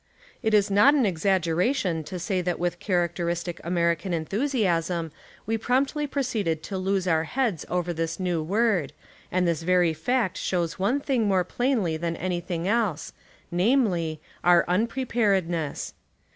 It is not an exaggeration to say that with characteristic American enthusiasm we promptly pi oceeded to lose our heads over this new word, and this very fact shows one thing more plainly than anything else, namely, our unpreparedness.